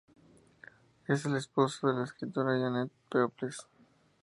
Es el esposo de la escritora Janet Peoples.